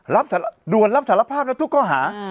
ด่วนรับสารภาพแล้วทุกข้อหา